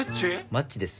マッチです